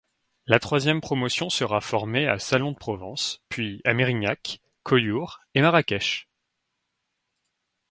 La troisième promotion sera formée à Salon-de-Provence, puis, à Mérignac, Collioure et Marrakech.